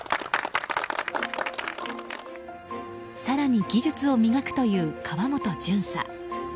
更に技術を磨くという川本巡査。